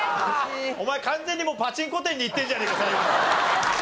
お前完全にもうパチンコ店に行ってんじゃねえか最後。